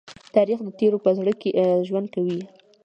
تاریخ د تېرو په زړه کې ژوند کوي.